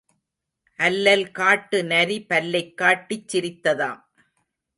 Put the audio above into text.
அல்லல் காட்டு நரி பல்லைக் காட்டிச் சிரித்ததாம்.